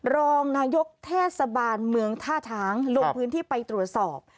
รองนายกเทศบาลเมืองท่าช้างลงพื้นที่ไปตรวจสอบ